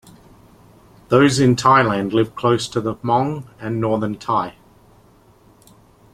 Those in Thailand live close to the Hmong and northern Thai.